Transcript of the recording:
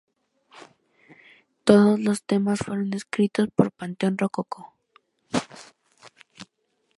Todas los temas fueron escritos por Panteón Rococó.